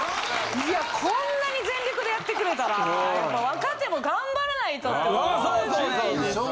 いやこんなに全力でやってくれたらやっぱ若手も頑張らないとって思うじゃないですか。